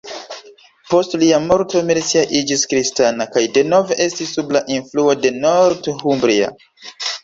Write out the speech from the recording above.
Post lia morto Mercia iĝis kristana, kaj denove estis sub la influo de Northumbria.